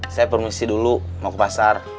saya promosi dulu mau ke pasar